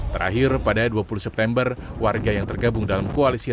terakhir pada dua puluh september warga yang tergabung dalam koalisi